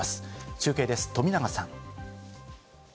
中継です、富永さん。